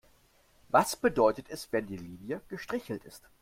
Was bedeutet es, wenn die Linie gestrichelt ist?